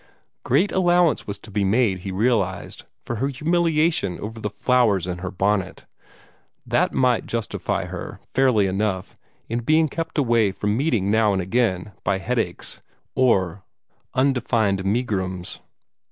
Great allowance was to be made, he realized, for her humiliation over the flowers in her bonnet. That might justify her, fairly enough, in being kept away from meeting now and again by headaches, or undefined megrims.